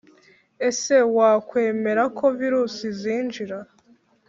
Ese wakwemera ko virusi zinjira